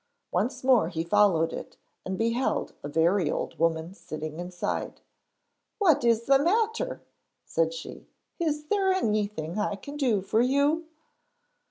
Once more he followed it and beheld a very old woman sitting inside. 'What is the matter?' said she. 'Is there anything I can do for you?'